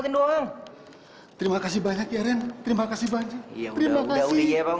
terima kasih bang